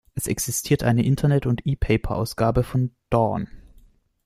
Es existiert eine Internet- und E-Paper-Ausgabe von "Dawn".